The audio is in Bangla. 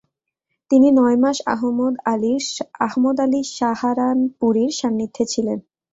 তিনি নয় মাস আহমদ আলী সাহারানপুরির সান্নিধ্যে ছিলেন।